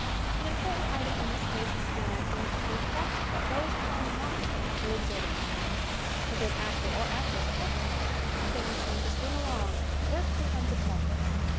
An important item in this phase of screen acting is the effect that those playing opposite will exert upon one. The good actor or actress helps one. Things seem to swim along. Work becomes a pleasure!